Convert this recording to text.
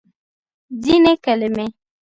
ځینې کلمې